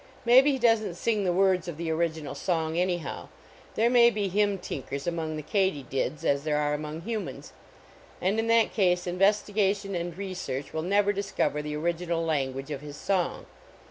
.Maybe he doesn t sing the words of the original song, anyhow ; there may be hymn tinkers among the katydids, as there are among " humans," and, in that case, investigation and research will never discover the original language of hi.s song.